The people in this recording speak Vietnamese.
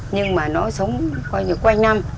nhưng mà nó sống coi như quanh năm